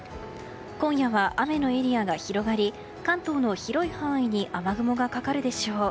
今夜は雨のエリアが広がり関東の広い範囲に雨雲がかかるでしょう。